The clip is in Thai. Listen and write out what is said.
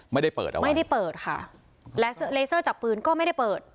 ไม่ได้เปิดเอาไว้ไม่ได้เปิดค่ะและเลเซอร์จากปืนก็ไม่ได้เปิด